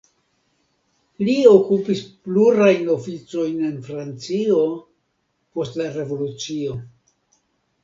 Li okupis plurajn oficojn en Francio, post la Revolucio.